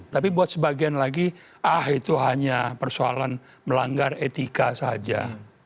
tapi buat sebagian lagi ah itu hanya persoalan melanggar etika saja